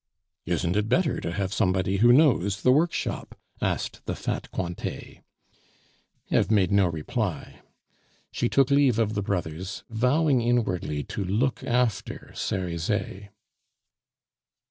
"Isn't it better to have somebody who knows the workshop?" asked the fat Cointet. Eve made no reply; she took leave of the brothers, vowing inwardly to look after Cerizet.